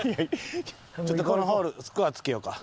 ちょっとこのホールスコアつけようか。